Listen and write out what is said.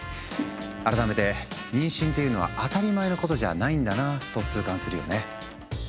改めて妊娠っていうのは当たり前のことじゃないんだなと痛感するよね。